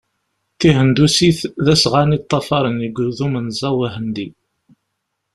Tihendusit d asɣan i ṭṭafaren deg udu-menẓaw ahendi.